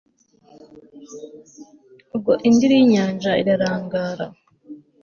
ubwo indiri y'inyanja irarangara